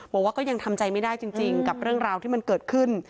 บอกว่าก็ยังทำใจไม่ได้จริงกับเรื่องราวที่มันเกิดขึ้น